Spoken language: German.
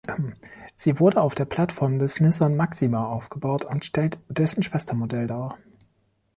Sie wurde auf der Plattform des Nissan Maxima aufgebaut und stellt dessen Schwestermodell dar.